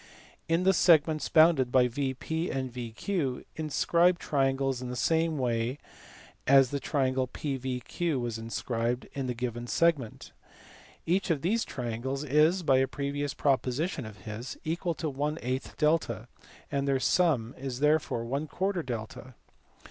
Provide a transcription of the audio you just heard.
In the segments bounded by VP and VQ inscribe triangles in the same way as the triangle PVQ was inscribed in the given segment. Each of these triangles is (by a previous proposition of his) equal to ^A, and their sum is therefore ^A.